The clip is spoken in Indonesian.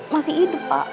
masih hidup pak